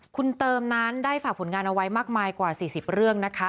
คุณเติมนั้นได้ฝากผลงานเอาไว้มากมายกว่า๔๐เรื่องนะคะ